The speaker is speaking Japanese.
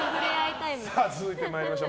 続いて参りましょう。